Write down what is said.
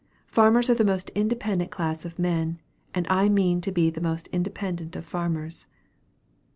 Farmers are the most independent class of men; and I mean to be the most independent of farmers."